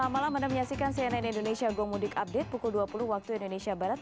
selamat malam anda menyaksikan cnn indonesia gomudik update pukul dua puluh waktu indonesia barat